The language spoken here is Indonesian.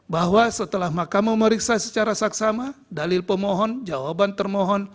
bahwa setelah mahkamah meriksa secara saksama dalil pemohon jawaban termohon